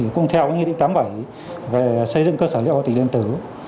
cũng theo nghị định tám mươi bảy về xây dựng cơ sở liệu quốc tịch liên tử